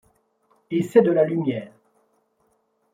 Et c’est de la lumière ;